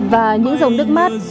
và những dòng nước mát